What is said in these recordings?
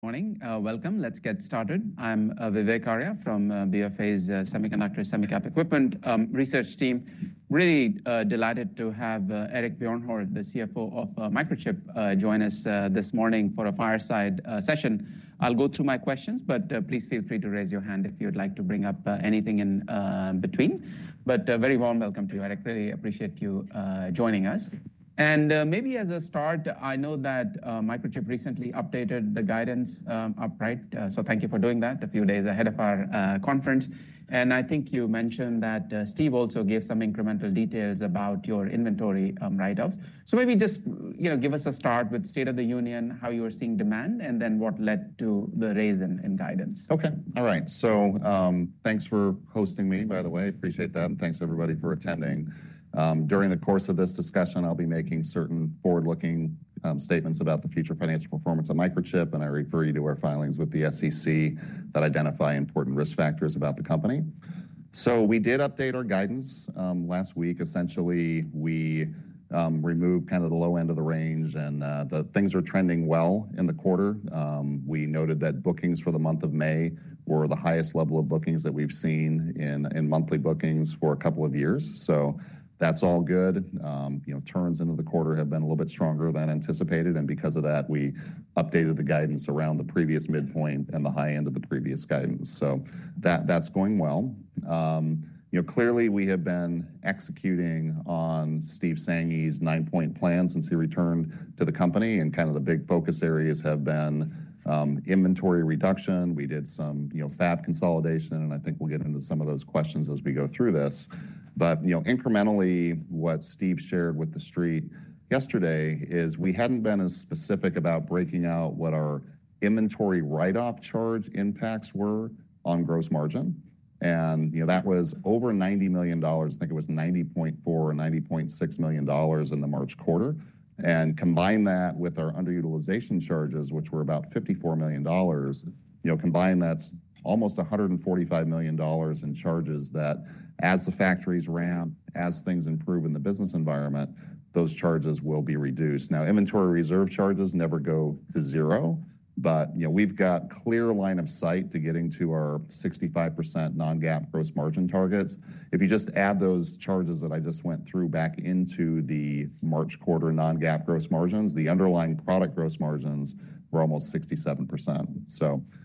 Morning. Welcome. Let's get started. I'm Vivek Arya from BofA's Semiconductor Semicap Equipment Research Team. Really delighted to have Eric Bjornholt, the CFO of Microchip, join us this morning for a fireside session. I'll go through my questions, but please feel free to raise your hand if you'd like to bring up anything in between. A very warm welcome to you, Eric. Really appreciate you joining us. Maybe as a start, I know that Microchip recently updated the guidance upright. Thank you for doing that a few days ahead of our conference. I think you mentioned that Steve also gave some incremental details about your inventory write-ups. Maybe just give us a start with state of the union, how you are seeing demand, and then what led to the raise in guidance. OK. All right. Thanks for hosting me, by the way. Appreciate that. Thanks, everybody, for attending. During the course of this discussion, I'll be making certain forward-looking statements about the future financial performance of Microchip. I refer you to our filings with the SEC that identify important risk factors about the company. We did update our guidance last week. Essentially, we removed kind of the low end of the range. Things are trending well in the quarter. We noted that bookings for the month of May were the highest level of bookings that we've seen in monthly bookings for a couple of years. That's all good. Turns into the quarter have been a little bit stronger than anticipated. Because of that, we updated the guidance around the previous midpoint and the high end of the previous guidance. That's going well. Clearly, we have been executing on Steve Sanghi's nine-point plan since he returned to the company. Kind of the big focus areas have been inventory reduction. We did some fab consolidation. I think we'll get into some of those questions as we go through this. Incrementally, what Steve shared with the street yesterday is we had not been as specific about breaking out what our inventory write-off charge impacts were on gross margin. That was over $90 million. I think it was $90.4 or $90.6 million in the March quarter. Combine that with our underutilization charges, which were about $54 million. Combine that is almost $145 million in charges that, as the factories ramp, as things improve in the business environment, those charges will be reduced. Now, inventory reserve charges never go to zero. We have a clear line of sight to getting to our 65% non-GAAP gross margin targets. If you just add those charges that I just went through back into the March quarter non-GAAP gross margins, the underlying product gross margins were almost 67%.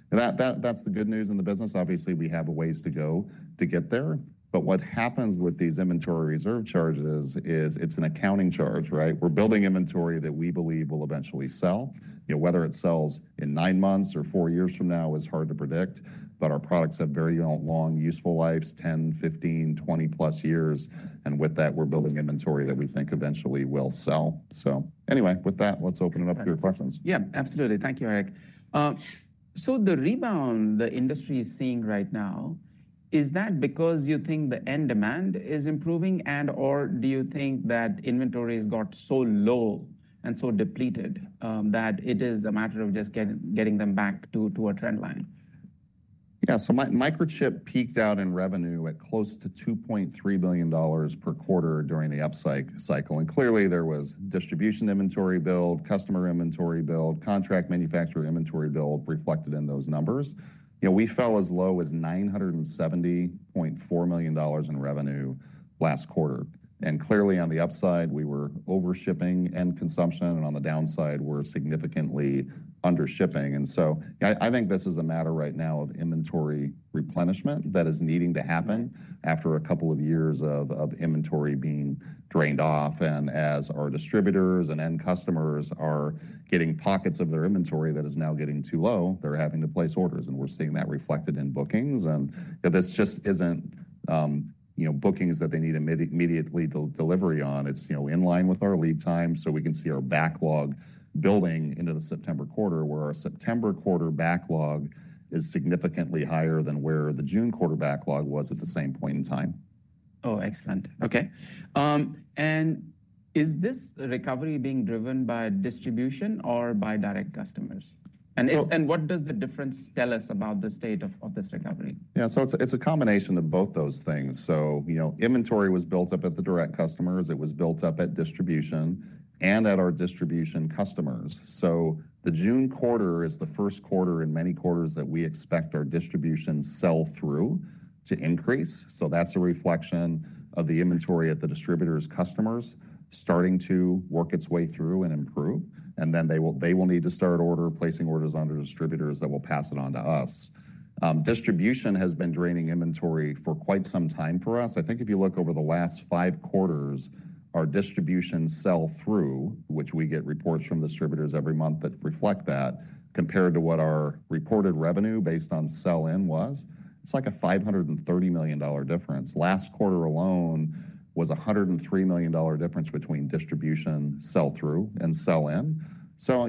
That is the good news in the business. Obviously, we have a ways to go to get there. What happens with these inventory reserve charges is it is an accounting charge, right? We are building inventory that we believe will eventually sell. Whether it sells in nine months or four years from now is hard to predict. Our products have very long useful lives, 10, 15, 20-plus years. With that, we are building inventory that we think eventually will sell. Anyway, with that, let's open it up to your questions. Yeah, absolutely. Thank you, Eric. The rebound the industry is seeing right now, is that because you think the end demand is improving? And/or do you think that inventory has got so low and so depleted that it is a matter of just getting them back to a trend line? Yeah. Microchip peaked out in revenue at close to $2.3 billion per quarter during the upside cycle. Clearly, there was distribution inventory build, customer inventory build, contract manufacturer inventory build reflected in those numbers. We fell as low as $970.4 million in revenue last quarter. Clearly, on the upside, we were overshipping end consumption. On the downside, we're significantly undershipping. I think this is a matter right now of inventory replenishment that is needing to happen after a couple of years of inventory being drained off. As our distributors and end customers are getting pockets of their inventory that is now getting too low, they're having to place orders. We're seeing that reflected in bookings. This just isn't bookings that they need immediate delivery on. It's in line with our lead time. We can see our backlog building into the September quarter, where our September quarter backlog is significantly higher than where the June quarter backlog was at the same point in time. Oh, excellent. OK. Is this recovery being driven by distribution or by direct customers? What does the difference tell us about the state of this recovery? Yeah. So it's a combination of both those things. Inventory was built up at the direct customers. It was built up at distribution and at our distribution customers. The June quarter is the first quarter in many quarters that we expect our distribution sell-through to increase. That is a reflection of the inventory at the distributor's customers starting to work its way through and improve. They will need to start placing orders onto distributors that will pass it on to us. Distribution has been draining inventory for quite some time for us. I think if you look over the last five quarters, our distribution sell-through, which we get reports from distributors every month that reflect that, compared to what our reported revenue based on sell-in was, it's like a $530 million difference. Last quarter alone was a $103 million difference between distribution sell-through and sell-in.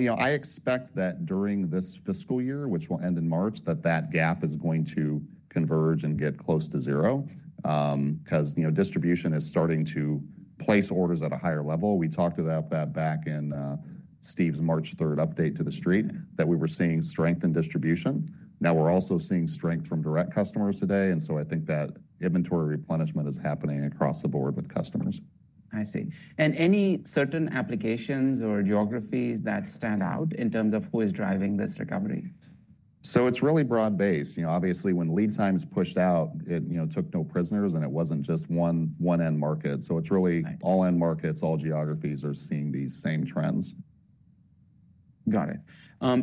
I expect that during this fiscal year, which will end in March, that that gap is going to converge and get close to zero. Because distribution is starting to place orders at a higher level. We talked about that back in Steve's March 3 update to the street that we were seeing strength in distribution. Now we're also seeing strength from direct customers today. And I think that inventory replenishment is happening across the board with customers. I see. Any certain applications or geographies that stand out in terms of who is driving this recovery? It's really broad-based. Obviously, when lead time is pushed out, it took no prisoners. It wasn't just one end market. It's really all end markets, all geographies are seeing these same trends. Got it. I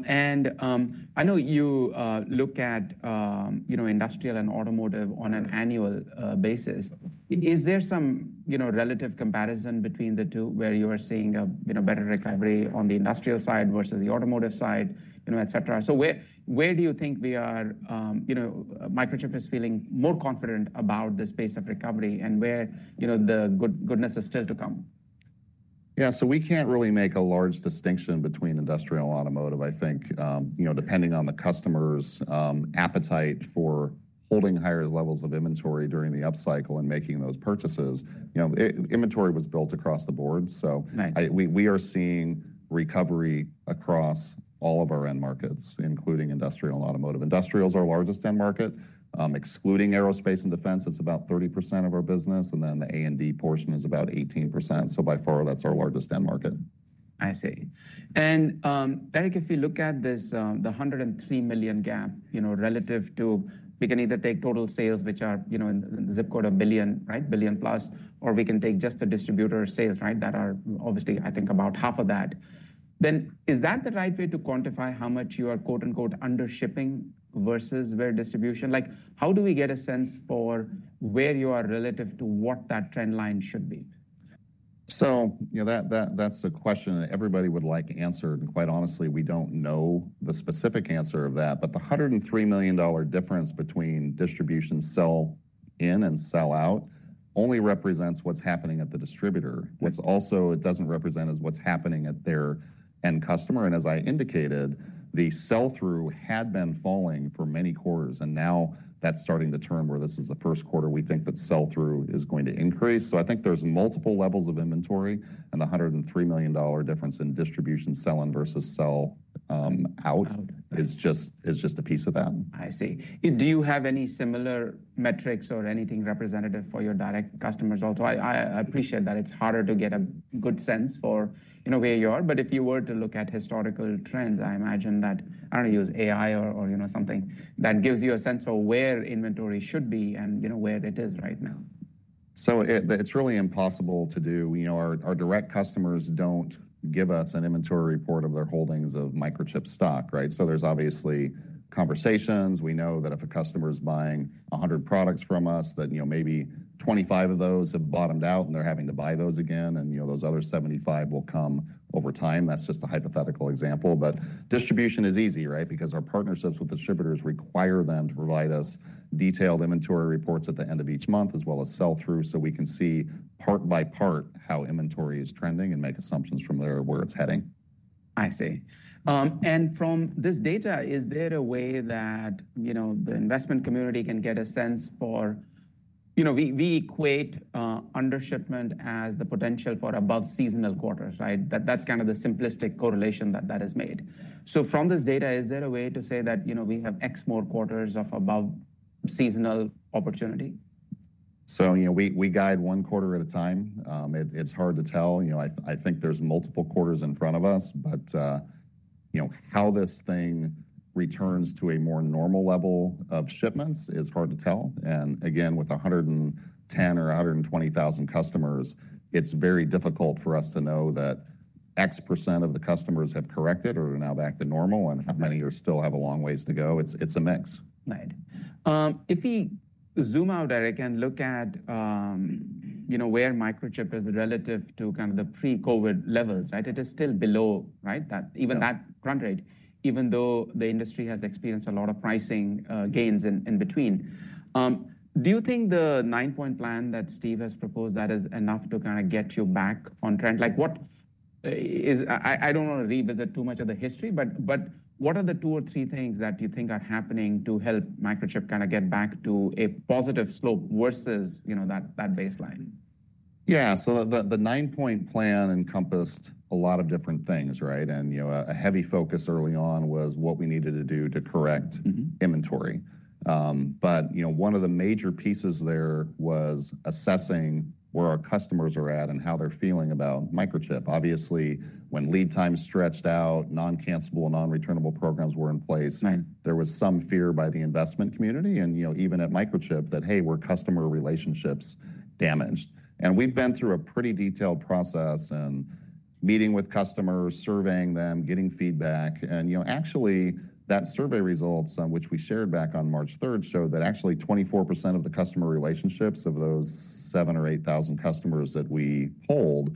know you look at industrial and automotive on an annual basis. Is there some relative comparison between the two where you are seeing a better recovery on the industrial side versus the automotive side, et cetera? Where do you think Microchip is feeling more confident about this pace of recovery and where the goodness is still to come? Yeah. We can't really make a large distinction between industrial and automotive, I think, depending on the customer's appetite for holding higher levels of inventory during the upcycle and making those purchases. Inventory was built across the board. We are seeing recovery across all of our end markets, including industrial and automotive. Industrial is our largest end market. Excluding aerospace and defense, it's about 30% of our business. The A&D portion is about 18%. By far, that's our largest end market. I see. Eric, if you look at the $103 million gap relative to we can either take total sales, which are in the zip code a billion, right, billion plus, or we can take just the distributor sales, right, that are obviously, I think, about half of that. Is that the right way to quantify how much you are "undershipping" versus where distribution? How do we get a sense for where you are relative to what that trend line should be? That's a question that everybody would like answered. And quite honestly, we don't know the specific answer to that. But the $103 million difference between distribution sell-in and sell-out only represents what's happening at the distributor. What it doesn't represent is what's happening at their end customer. As I indicated, the sell-through had been falling for many quarters. Now that's starting to turn, where this is the first quarter we think that sell-through is going to increase. I think there's multiple levels of inventory. The $103 million difference in distribution sell-in versus sell-out is just a piece of that. I see. Do you have any similar metrics or anything representative for your direct customers also? I appreciate that it's harder to get a good sense for where you are. If you were to look at historical trends, I imagine that I don't want to use AI or something that gives you a sense of where inventory should be and where it is right now. It's really impossible to do. Our direct customers don't give us an inventory report of their holdings of Microchip stock, right? There's obviously conversations. We know that if a customer is buying 100 products from us, maybe 25 of those have bottomed out and they're having to buy those again. Those other 75 will come over time. That's just a hypothetical example. Distribution is easy, right? Because our partnerships with distributors require them to provide us detailed inventory reports at the end of each month, as well as sell-through, so we can see part by part how inventory is trending and make assumptions from there where it's heading. I see. From this data, is there a way that the investment community can get a sense for we equate undershipment as the potential for above-seasonal quarters, right? That is kind of the simplistic correlation that is made. From this data, is there a way to say that we have x more quarters of above-seasonal opportunity? We guide one quarter at a time. It's hard to tell. I think there's multiple quarters in front of us. How this thing returns to a more normal level of shipments is hard to tell. Again, with 110,000 or 120,000 customers, it's very difficult for us to know that x% of the customers have corrected or are now back to normal and how many still have a long ways to go. It's a mix. Right. If we zoom out, Eric, and look at where Microchip is relative to kind of the pre-COVID levels, right? It is still below even that run rate, even though the industry has experienced a lot of pricing gains in between. Do you think the nine-point plan that Steve has proposed, that is enough to kind of get you back on trend? I do not want to revisit too much of the history. What are the two or three things that you think are happening to help Microchip kind of get back to a positive slope versus that baseline? Yeah. The nine-point plan encompassed a lot of different things, right? A heavy focus early on was what we needed to do to correct inventory. One of the major pieces there was assessing where our customers are at and how they're feeling about Microchip. Obviously, when lead time stretched out, non-cancelable, non-returnable programs were in place, there was some fear by the investment community and even at Microchip that, hey, were customer relationships damaged? We've been through a pretty detailed process in meeting with customers, surveying them, getting feedback. Actually, that survey results, which we shared back on March 3rd, showed that 24% of the customer relationships of those 7,000 or 8,000 customers that we hold,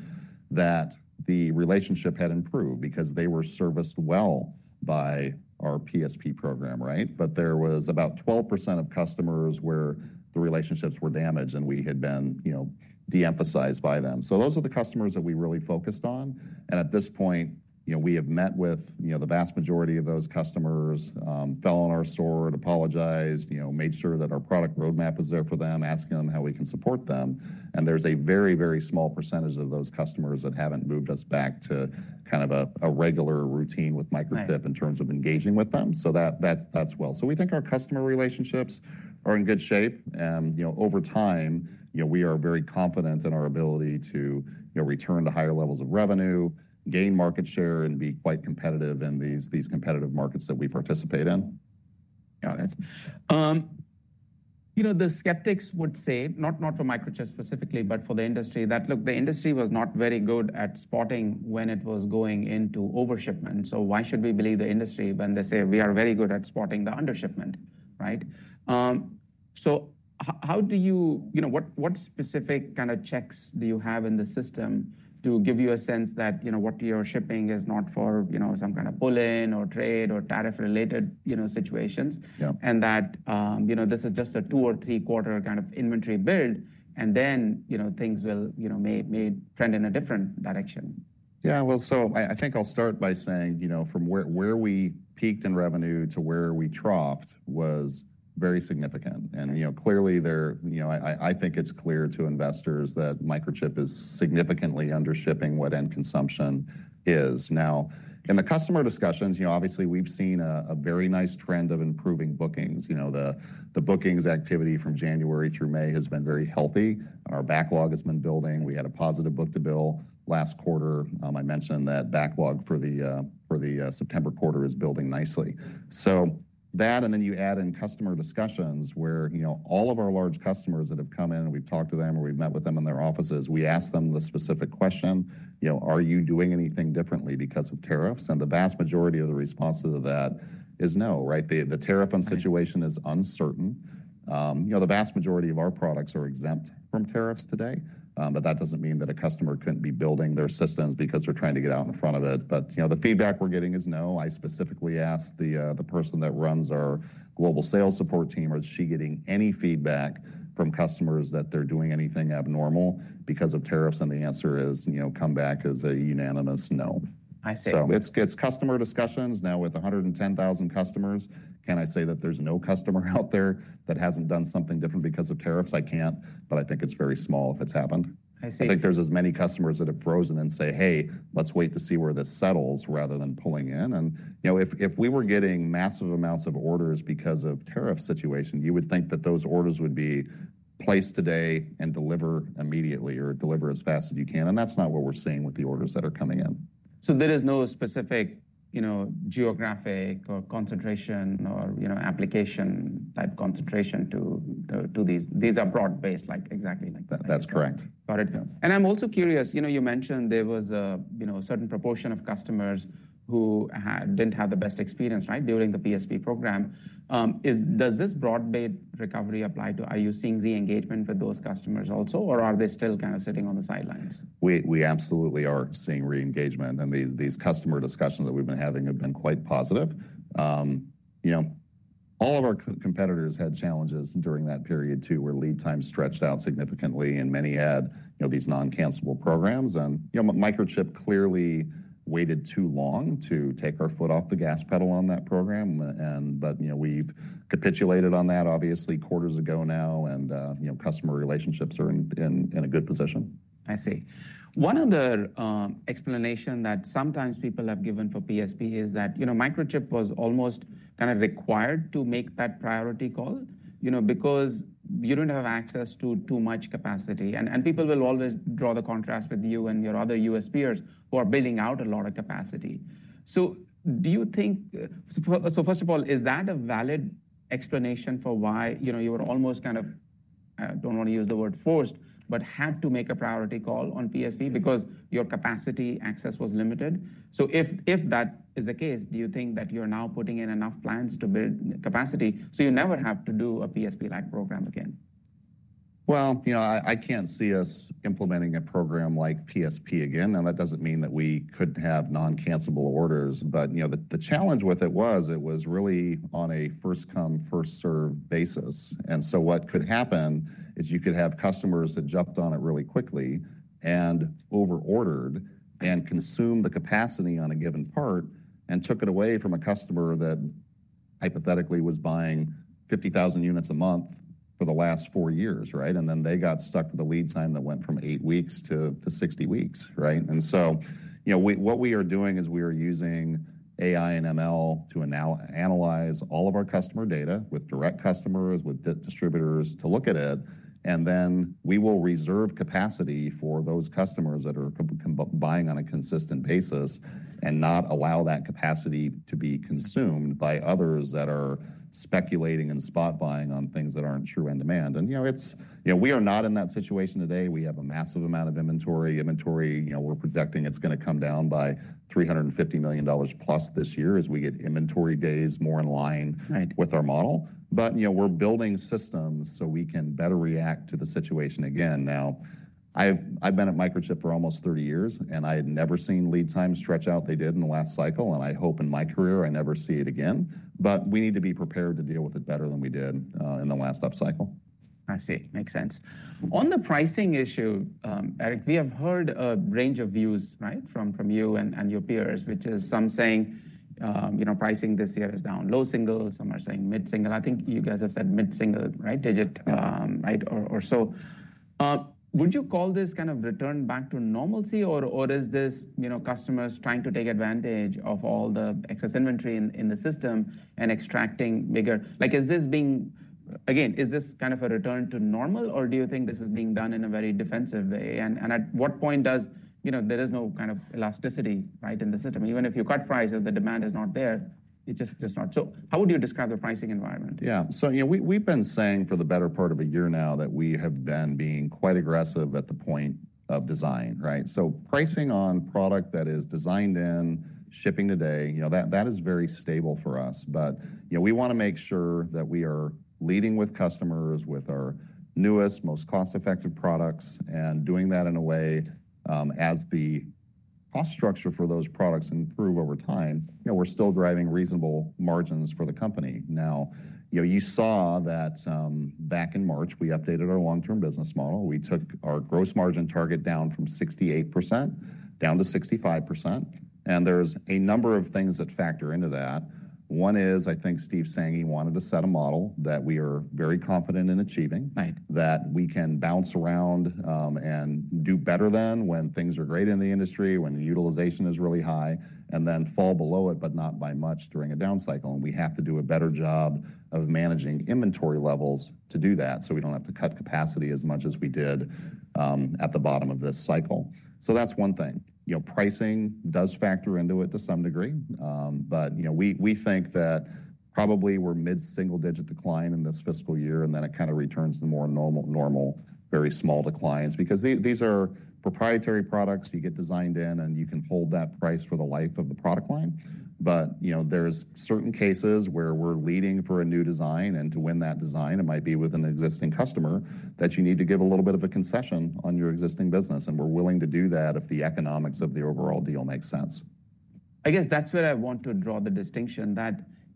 that the relationship had improved because they were serviced well by our PSP program, right? There was about 12% of customers where the relationships were damaged and we had been de-emphasized by them. Those are the customers that we really focused on. At this point, we have met with the vast majority of those customers, fell on our sword, apologized, made sure that our product roadmap is there for them, asking them how we can support them. There is a very, very small percentage of those customers that have not moved us back to kind of a regular routine with Microchip in terms of engaging with them. That is well. We think our customer relationships are in good shape. Over time, we are very confident in our ability to return to higher levels of revenue, gain market share, and be quite competitive in these competitive markets that we participate in. Got it. The skeptics would say, not for Microchip specifically, but for the industry, that, look, the industry was not very good at spotting when it was going into overshipment. Why should we believe the industry when they say we are very good at spotting the undershipment, right? What specific kind of checks do you have in the system to give you a sense that what you're shipping is not for some kind of pull-in or trade or tariff-related situations? That this is just a two or three-quarter kind of inventory build, and then things will maybe trend in a different direction. Yeah. I think I'll start by saying from where we peaked in revenue to where we troughed was very significant. Clearly, I think it's clear to investors that Microchip is significantly undershipping what end consumption is. In the customer discussions, obviously, we've seen a very nice trend of improving bookings. The bookings activity from January through May has been very healthy. Our backlog has been building. We had a positive book-to-bill last quarter. I mentioned that backlog for the September quarter is building nicely. That, and then you add in customer discussions where all of our large customers that have come in, and we've talked to them, or we've met with them in their offices, we ask them the specific question, are you doing anything differently because of tariffs? The vast majority of the responses to that is no, right? The tariffing situation is uncertain. The vast majority of our products are exempt from tariffs today. That does not mean that a customer could not be building their systems because they are trying to get out in front of it. The feedback we are getting is no. I specifically asked the person that runs our global sales support team, is she getting any feedback from customers that they are doing anything abnormal because of tariffs? The answer has come back as a unanimous no. It is customer discussions. Now, with 110,000 customers, can I say that there is no customer out there that has not done something different because of tariffs? I cannot. I think it is very small if it has happened. I think there are as many customers that have frozen and say, hey, let us wait to see where this settles rather than pulling in. If we were getting massive amounts of orders because of the tariff situation, you would think that those orders would be placed today and deliver immediately or deliver as fast as you can. That is not what we are seeing with the orders that are coming in. There is no specific geographic or concentration or application-type concentration to these? These are broad-based, exactly like that. That's correct. Got it. I am also curious. You mentioned there was a certain proportion of customers who did not have the best experience, right, during the PSP program. Does this broad-based recovery apply to, are you seeing re-engagement with those customers also, or are they still kind of sitting on the sidelines? We absolutely are seeing re-engagement. These customer discussions that we've been having have been quite positive. All of our competitors had challenges during that period too where lead time stretched out significantly. Many had these non-cancelable programs. Microchip clearly waited too long to take our foot off the gas pedal on that program. We've capitulated on that, obviously, quarters ago now. Customer relationships are in a good position. I see. One other explanation that sometimes people have given for PSP is that Microchip was almost kind of required to make that priority call because you do not have access to too much capacity. People will always draw the contrast with you and your other U.S. peers who are building out a lot of capacity. Do you think, first of all, is that a valid explanation for why you were almost kind of, I do not want to use the word forced, but had to make a priority call on PSP because your capacity access was limited? If that is the case, do you think that you are now putting in enough plans to build capacity so you never have to do a PSP-like program again? I can't see us implementing a program like PSP again. Now, that doesn't mean that we couldn't have non-cancelable orders. The challenge with it was it was really on a first-come, first-served basis. What could happen is you could have customers that jumped on it really quickly and over-ordered and consumed the capacity on a given part and took it away from a customer that hypothetically was buying 50,000 units a month for the last four years, right? They got stuck with a lead time that went from eight weeks to 60 weeks, right? What we are doing is we are using AI and ML to analyze all of our customer data with direct customers, with distributors to look at it. We will reserve capacity for those customers that are buying on a consistent basis and not allow that capacity to be consumed by others that are speculating and spot-buying on things that are not true in demand. We are not in that situation today. We have a massive amount of inventory. Inventory, we are projecting it is going to come down by $350 million plus this year as we get inventory days more in line with our model. We are building systems so we can better react to the situation again. I have been at Microchip for almost 30 years, and I had never seen lead time stretch out. They did in the last cycle. I hope in my career I never see it again. We need to be prepared to deal with it better than we did in the last upcycle. I see. Makes sense. On the pricing issue, Eric, we have heard a range of views, right, from you and your peers, which is some saying pricing this year is down low single. Some are saying mid-single. I think you guys have said mid-single, right, digit, right, or so. Would you call this kind of return back to normalcy, or is this customers trying to take advantage of all the excess inventory in the system and extracting bigger? Again, is this kind of a return to normal, or do you think this is being done in a very defensive way? At what point does there is no kind of elasticity, right, in the system? Even if you cut prices, the demand is not there. It's just not. How would you describe the pricing environment? Yeah. So we've been saying for the better part of a year now that we have been being quite aggressive at the point of design, right? So pricing on product that is designed in shipping today, that is very stable for us. We want to make sure that we are leading with customers with our newest, most cost-effective products and doing that in a way as the cost structure for those products improve over time. We're still driving reasonable margins for the company. You saw that back in March, we updated our long-term business model. We took our gross margin target down from 68% down to 65%. There is a number of things that factor into that. One is, I think Steve Sanghi wanted to set a model that we are very confident in achieving, that we can bounce around and do better than when things are great in the industry, when utilization is really high, and then fall below it, but not by much during a down cycle. We have to do a better job of managing inventory levels to do that so we do not have to cut capacity as much as we did at the bottom of this cycle. That is one thing. Pricing does factor into it to some degree. We think that probably we are mid-single-digit decline in this fiscal year, and then it kind of returns to more normal, very small declines because these are proprietary products you get designed in, and you can hold that price for the life of the product line. There are certain cases where we are leading for a new design. To win that design, it might be with an existing customer that you need to give a little bit of a concession on your existing business. We are willing to do that if the economics of the overall deal make sense. I guess that's where I want to draw the distinction: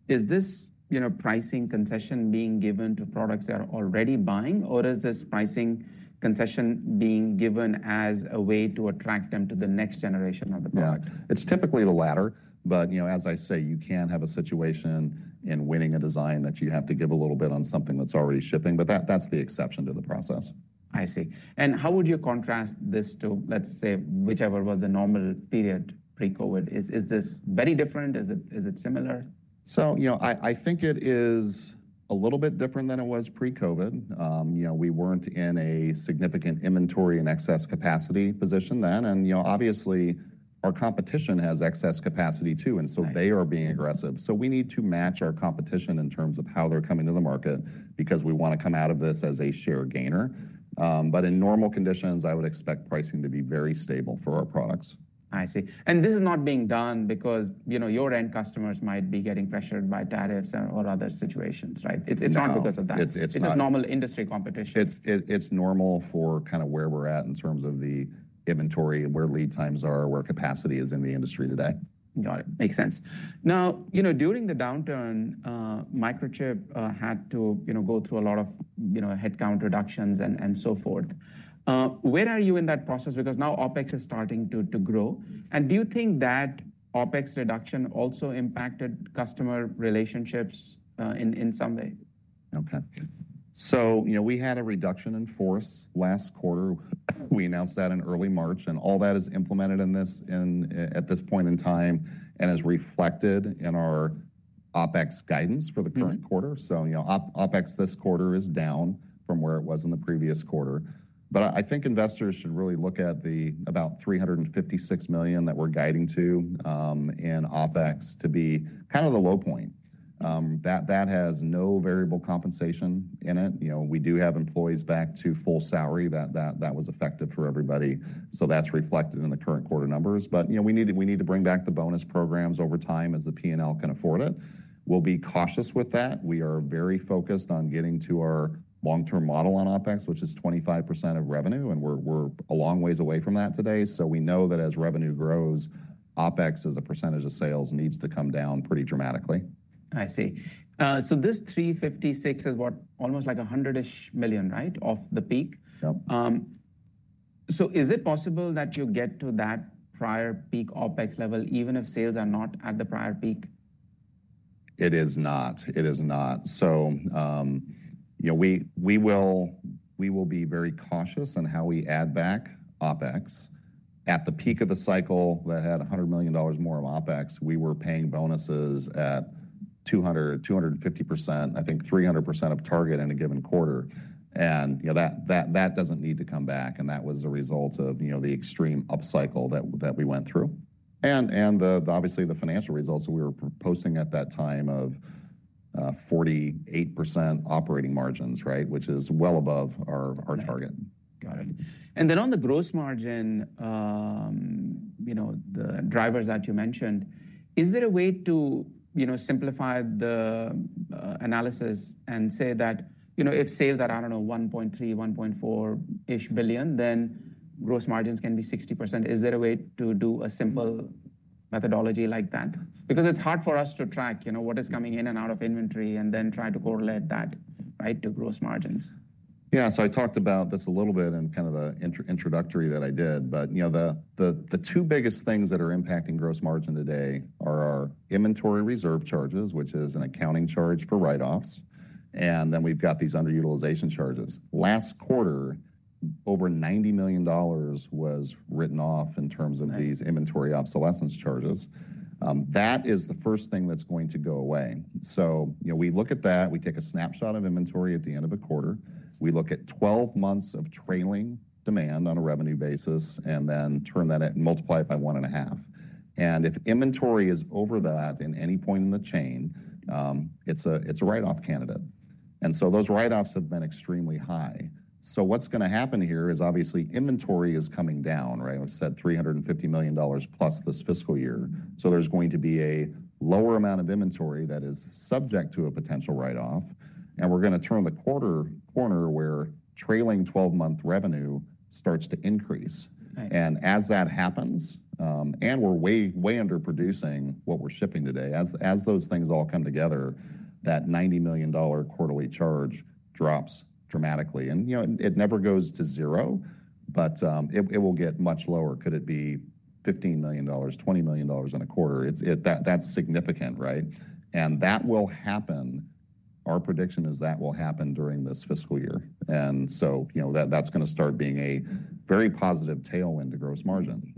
is this pricing concession being given to products that they are already buying, or is this pricing concession being given as a way to attract them to the next generation of the product? Yeah. It's typically the latter. As I say, you can have a situation in winning a design that you have to give a little bit on something that's already shipping. That's the exception to the process. I see. How would you contrast this to, let's say, whichever was the normal period pre-COVID? Is this very different? Is it similar? I think it is a little bit different than it was pre-COVID. We were not in a significant inventory and excess capacity position then. Obviously, our competition has excess capacity too. They are being aggressive. We need to match our competition in terms of how they are coming to the market because we want to come out of this as a share gainer. In normal conditions, I would expect pricing to be very stable for our products. I see. This is not being done because your end customers might be getting pressured by tariffs or other situations, right? It's not because of that. This is normal industry competition. It's normal for kind of where we're at in terms of the inventory, where lead times are, where capacity is in the industry today. Got it. Makes sense. Now, during the downturn, Microchip had to go through a lot of headcount reductions and so forth. Where are you in that process? Because now OPEX is starting to grow. Do you think that OPEX reduction also impacted customer relationships in some way? Okay. We had a reduction in force last quarter. We announced that in early March. All that is implemented at this point in time and is reflected in our OPEX guidance for the current quarter. OPEX this quarter is down from where it was in the previous quarter. I think investors should really look at the about $356 million that we are guiding to in OPEX to be kind of the low point. That has no variable compensation in it. We do have employees back to full salary. That was effective for everybody. That is reflected in the current quarter numbers. We need to bring back the bonus programs over time as the P&L can afford it. We will be cautious with that. We are very focused on getting to our long-term model on OPEX, which is 25% of revenue. We're a long ways away from that today. We know that as revenue grows, OPEX as a percentage of sales needs to come down pretty dramatically. I see. So this $356 is what, almost like $100 million-ish, right, off the peak? Yep. Is it possible that you get to that prior peak OPEX level even if sales are not at the prior peak? It is not. It is not. We will be very cautious in how we add back OPEX. At the peak of the cycle that had $100 million more of OPEX, we were paying bonuses at 200%, 250%, I think 300% of target in a given quarter. That does not need to come back. That was the result of the extreme upcycle that we went through. Obviously, the financial results that we were posting at that time of 48% operating margins, which is well above our target. Got it. On the gross margin, the drivers that you mentioned, is there a way to simplify the analysis and say that if sales are, I do not know, $1.3 billion, $1.4 billion-ish, then gross margins can be 60%? Is there a way to do a simple methodology like that? It is hard for us to track what is coming in and out of inventory and then try to correlate that, right, to gross margins. Yeah. I talked about this a little bit in kind of the introductory that I did. The two biggest things that are impacting gross margin today are our inventory reserve charges, which is an accounting charge for write-offs. We have these underutilization charges. Last quarter, over $90 million was written off in terms of these inventory obsolescence charges. That is the first thing that's going to go away. We look at that. We take a snapshot of inventory at the end of a quarter. We look at 12 months of trailing demand on a revenue basis and then turn that and multiply it by one and a half. If inventory is over that in any point in the chain, it's a write-off candidate. Those write-offs have been extremely high. What's going to happen here is obviously inventory is coming down, right? I said $350 million plus this fiscal year. There is going to be a lower amount of inventory that is subject to a potential write-off. We are going to turn the corner where trailing 12-month revenue starts to increase. As that happens, and we are way underproducing what we are shipping today, as those things all come together, that $90 million quarterly charge drops dramatically. It never goes to zero, but it will get much lower. Could it be $15 million-$20 million in a quarter? That is significant, right? That will happen. Our prediction is that will happen during this fiscal year. That is going to start being a very positive tailwind to gross margin.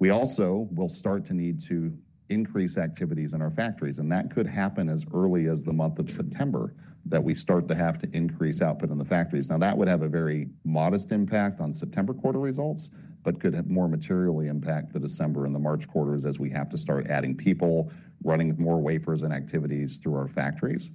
We also will start to need to increase activities in our factories. That could happen as early as the month of September that we start to have to increase output in the factories. That would have a very modest impact on September quarter results, but could have more materially impact the December and the March quarters as we have to start adding people, running more wafers and activities through our factories.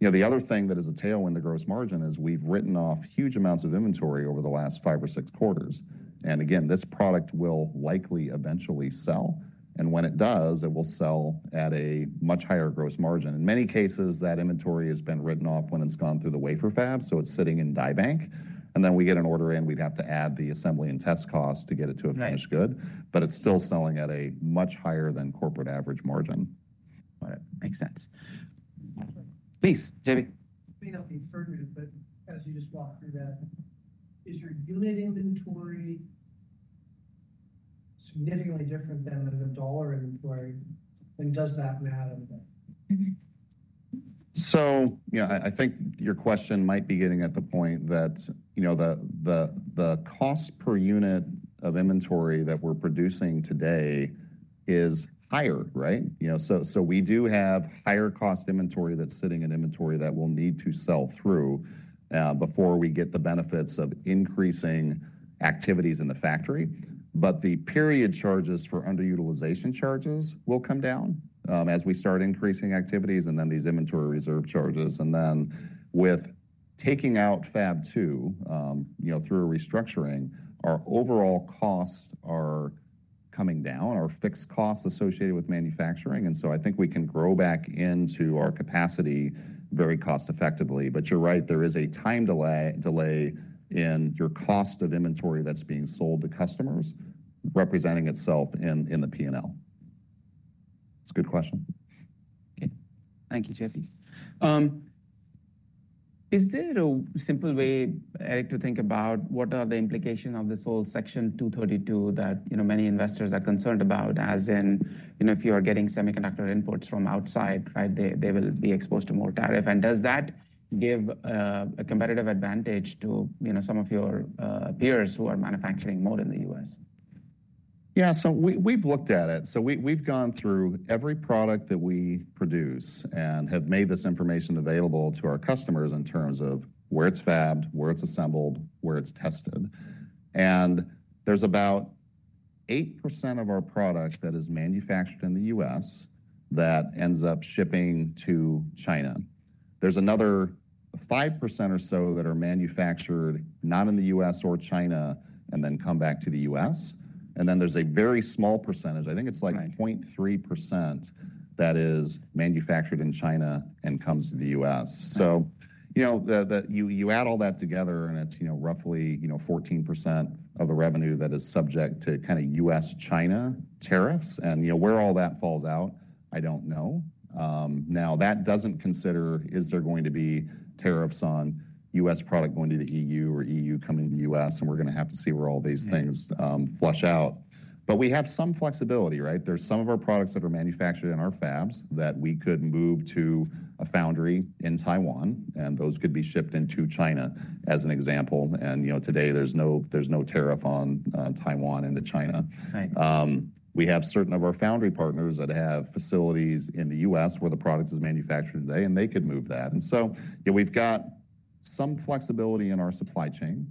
The other thing that is a tailwind to gross margin is we've written off huge amounts of inventory over the last five or six quarters. Again, this product will likely eventually sell. When it does, it will sell at a much higher gross margin. In many cases, that inventory has been written off when it's gone through the wafer fab. It is sitting in dye bank. We get an order in, we'd have to add the assembly and test costs to get it to a finished good. It is still selling at a much higher than corporate average margin. Got it. Makes sense. Please, Jeffrey. I think I'll be further to put, as you just walked through that, is your unit inventory significantly different than the dollar inventory? And does that matter? I think your question might be getting at the point that the cost per unit of inventory that we're producing today is higher, right? We do have higher cost inventory that's sitting in inventory that we'll need to sell through before we get the benefits of increasing activities in the factory. The period charges for underutilization charges will come down as we start increasing activities and then these inventory reserve charges. With taking out Fab 2 through a restructuring, our overall costs are coming down, our fixed costs associated with manufacturing. I think we can grow back into our capacity very cost-effectively. You're right, there is a time delay in your cost of inventory that's being sold to customers representing itself in the P&L. That's a good question. Okay. Thank you, Jeffrey. Is there a simple way, Eric, to think about what are the implications of this whole Section 232 that many investors are concerned about, as in if you are getting semiconductor inputs from outside, right, they will be exposed to more tariff? Does that give a competitive advantage to some of your peers who are manufacturing more in the U.S.? Yeah. So we've looked at it. We've gone through every product that we produce and have made this information available to our customers in terms of where it's fabbed, where it's assembled, where it's tested. There's about 8% of our product that is manufactured in the U.S. that ends up shipping to China. There's another 5% or so that are manufactured not in the U.S. or China and then come back to the U.S.. There's a very small percentage, I think it's like 0.3%, that is manufactured in China and comes to the U.S.. You add all that together, and it's roughly 14% of the revenue that is subject to kind of U.S.-China tariffs. Where all that falls out, I don't know. Now, that does not consider is there going to be tariffs on U.S. product going to the EU or EU coming to the U.S.. We are going to have to see where all these things flush out. We have some flexibility, right? There are some of our products that are manufactured in our fabs that we could move to a foundry in Taiwan. Those could be shipped into China as an example. Today, there is no tariff on Taiwan into China. We have certain of our foundry partners that have facilities in the U.S. where the product is manufactured today, and they could move that. We have some flexibility in our supply chain.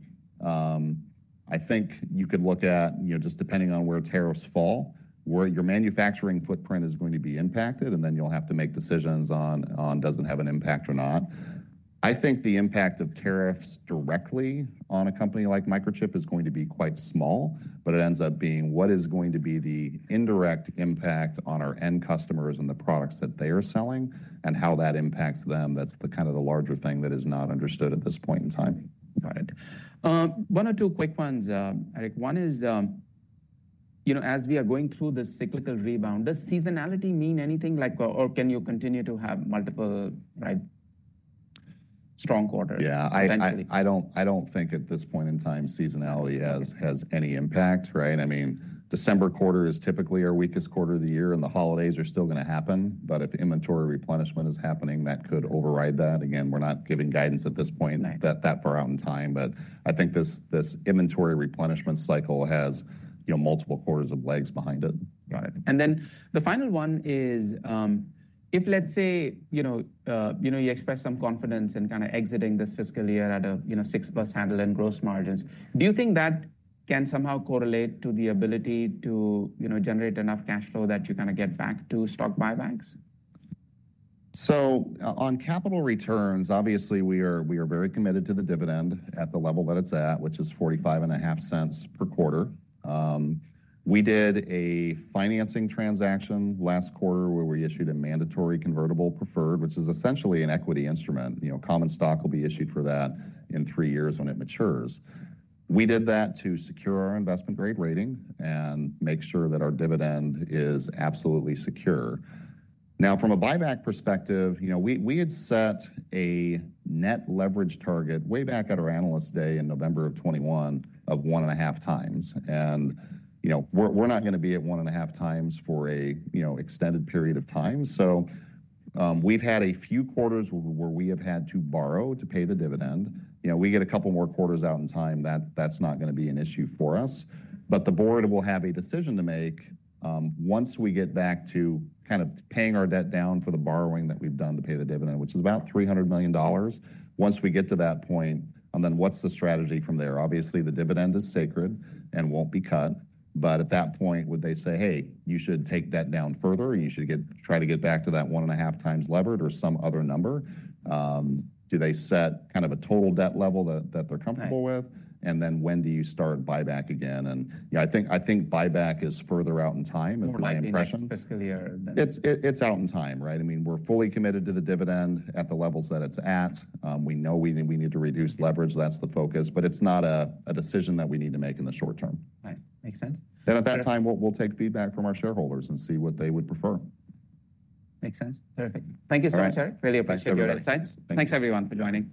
I think you could look at just depending on where tariffs fall, where your manufacturing footprint is going to be impacted, and then you'll have to make decisions on does it have an impact or not. I think the impact of tariffs directly on a company like Microchip is going to be quite small, but it ends up being what is going to be the indirect impact on our end customers and the products that they are selling and how that impacts them. That's the kind of the larger thing that is not understood at this point in time. Got it. One or two quick ones, Eric. One is, as we are going through the cyclical rebound, does seasonality mean anything, or can you continue to have multiple strong quarters eventually? Yeah. I do not think at this point in time seasonality has any impact, right? I mean, December quarter is typically our weakest quarter of the year, and the holidays are still going to happen. If inventory replenishment is happening, that could override that. Again, we are not giving guidance at this point that far out in time. I think this inventory replenishment cycle has multiple quarters of legs behind it. Got it. The final one is, if, let's say, you express some confidence in kind of exiting this fiscal year at a 6-plus handle in gross margins, do you think that can somehow correlate to the ability to generate enough cash flow that you kind of get back to stock buybacks? On capital returns, obviously, we are very committed to the dividend at the level that it is at, which is $0.455 per quarter. We did a financing transaction last quarter where we issued a mandatory convertible preferred, which is essentially an equity instrument. Common stock will be issued for that in three years when it matures. We did that to secure our investment-grade rating and make sure that our dividend is absolutely secure. Now, from a buyback perspective, we had set a net leverage target way back at our analyst day in November of 2021 of one and a half times. We are not going to be at one and a half times for an extended period of time. We have had a few quarters where we have had to borrow to pay the dividend. We get a couple more quarters out in time. That's not going to be an issue for us. The board will have a decision to make once we get back to kind of paying our debt down for the borrowing that we've done to pay the dividend, which is about $300 million. Once we get to that point, what's the strategy from there? Obviously, the dividend is sacred and won't be cut. At that point, would they say, "Hey, you should take debt down further," or, "You should try to get back to that one and a half times levered or some other number"? Do they set kind of a total debt level that they're comfortable with? When do you start buyback again? I think buyback is further out in time is my impression. More than the fiscal year? It's out in time, right? I mean, we're fully committed to the dividend at the levels that it's at. We know we need to reduce leverage. That's the focus. It's not a decision that we need to make in the short term. Right. Makes sense. At that time, we'll take feedback from our shareholders and see what they would prefer. Makes sense. Terrific. Thank you so much, Eric. Really appreciate your insights. Thanks, everyone, for joining us.